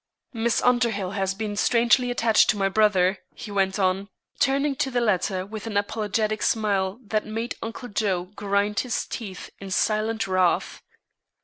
Miss Underhill has been strangely attached to my brother," he went on, turning to the latter with an apologetic smile that made Uncle Joe grind his teeth in silent wrath.